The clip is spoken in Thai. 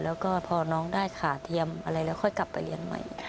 แล้วก็พอน้องได้ขาเทียมอะไรแล้วค่อยกลับไปเรียนใหม่